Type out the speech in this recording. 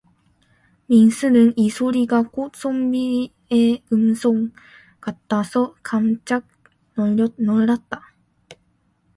민수는 이 소리가 꼭 선비의 음성 같아서 깜짝 놀랐다.